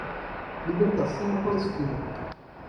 Libertação da Palestina